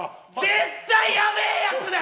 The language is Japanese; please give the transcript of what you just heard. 絶対やべぇやつだ！